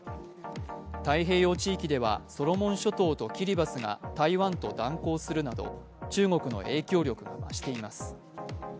太平洋地域ではソロモン諸島とキリバスが台湾と断交するなど、中国の影響力が増しています。